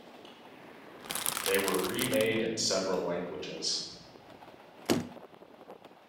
They were remade in several languages.